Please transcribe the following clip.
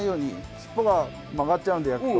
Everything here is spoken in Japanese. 尻尾が曲がっちゃうんで焼くと。